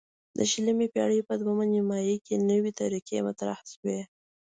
د شلمې پیړۍ په دویمه نیمایي کې نوې طریقې مطرح شوې.